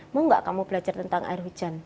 mau gak kamu belajar tentang air hujan